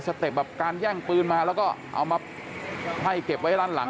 สเต็ปแบบการแย่งปืนมาแล้วเอามาไพ่เก็บไว้ล้าง